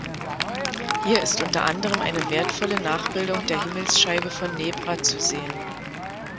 Hier ist unter anderem eine wertvolle Nachbildung der Himmelsscheibe von Nebra zu sehen.